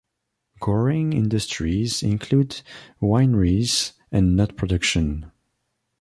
Growing industries include wineries and nut production.